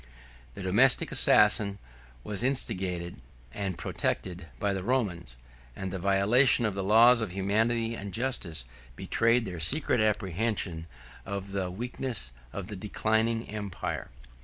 The domestic assassin was instigated and protected by the Romans; 92 and the violation of the laws of humanity and justice betrayed their secret apprehension of the weakness of the declining empire.